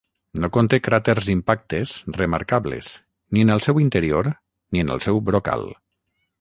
No conté cràters impactes remarcables ni en el seu interior ni en el seu brocal.